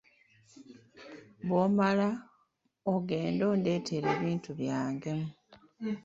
Bw’omala, ogende ondeetere ebintu byange.